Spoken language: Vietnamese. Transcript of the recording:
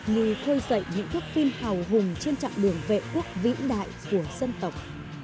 như thơ dạy những thức phim hào hùng trên trạng đường vệ quốc vĩ đại của dân tộc